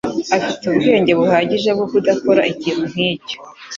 Afite ubwenge buhagije bwo kudakora ikintu nkicyo.